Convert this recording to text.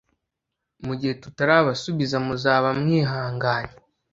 Mugihe tutarabasubiza muzaba mwihanganye